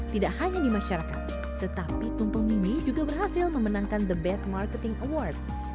tidak hanya di masyarakat tetapi tumpeng mimi juga berhasil memenangkan the best marketing award